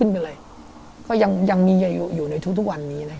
บอกว่าให้คุ้มคุ้มอื่นเลย